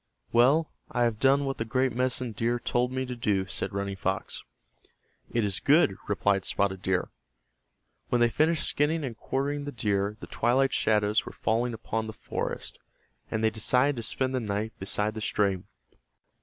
"Well, I have done what the great medicine deer told me to do," said Running Fox. "It is good," replied Spotted Deer. When they finished skinning and quartering the deer the twilight shadows were falling upon the forest, and they decided to spend the night beside the stream.